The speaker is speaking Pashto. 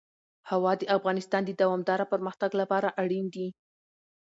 هوا د افغانستان د دوامداره پرمختګ لپاره اړین دي.